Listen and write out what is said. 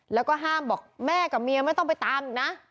แล้วก็ห้ามบอกแม่กับเมียไม่ต้องไปตามอีกนะ